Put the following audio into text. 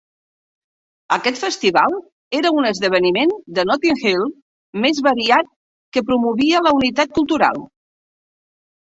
Aquest festival era un esdeveniment de Notting Hill més variat que promovia la unitat cultural.